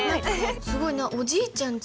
すごいおじいちゃんち。